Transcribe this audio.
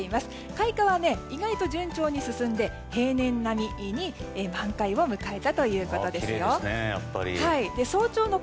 開花は意外と順調に進んで平年並みに満開を迎えたということですよ。